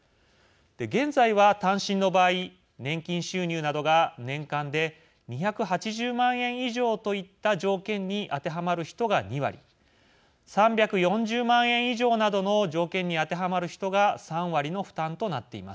現在は単身の場合年金収入などが年間で２８０万円以上といった条件に当てはまる人が２割３４０万円以上などの条件に当てはまる人が３割の負担となっています。